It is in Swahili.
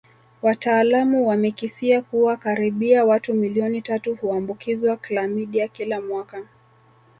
Wataalamu wamekisia kuwa karibia watu milioni tatu huambukizwa klamidia kila mwaka